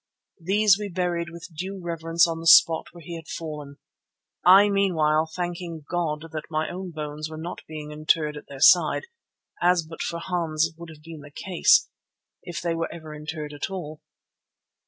These we buried with due reverence on the spot where he had fallen, I meanwhile thanking God that my own bones were not being interred at their side, as but for Hans would have been the case—if they were ever interred at all.